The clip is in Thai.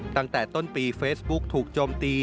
ตั้งแต่ต้นปีเฟซบุ๊กถูกโจมตี